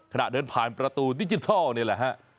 ขณะเดินผ่านประตูดิจิทัลนี่แหละฮะ